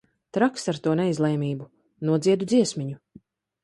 Traks ar to neizlēmību. Nodziedu dziesmiņu.